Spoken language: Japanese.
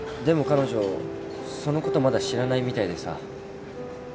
でも彼女そのことまだ知らないみたいでさ。